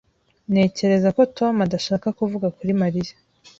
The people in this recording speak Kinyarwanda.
Ntekereza ko Tom adashaka kuvuga kuri Mariya.